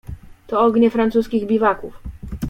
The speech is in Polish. "To ognie francuskich biwaków."